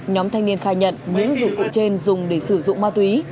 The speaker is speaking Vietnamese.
nhóm thanh niên khai nhận những dụng cụ trên dùng để sử dụng ma túy